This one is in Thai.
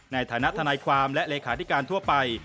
ในฐานะทนายความและเลขาธิการทั่วไป